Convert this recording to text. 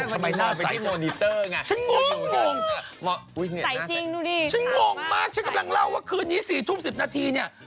บอกว่าทำไมหน้าใสจังฉันงงมากฉันงงมากฉันกำลังเล่าว่าคืนนี้๔ทุ่ม๑๐นาทีเนี่ย